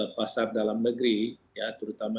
pasar dalam negeri terutama